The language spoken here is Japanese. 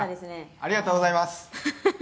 「ありがとうございます！」